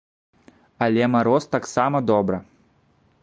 Але мароз таксама добра.